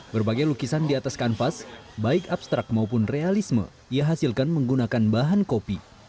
berbagai lukisan di atas kanvas baik abstrak maupun realisme ia hasilkan menggunakan bahan kopi